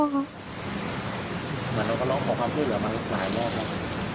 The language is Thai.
มันรอผอดความช่วยเหลือมาหลายรอบด์ครับ